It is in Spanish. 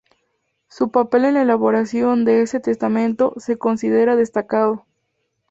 Su papel en la elaboración de ese testamento se considera destacado.